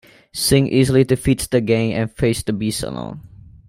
Sing easily defeats the Gang and faces the Beast alone.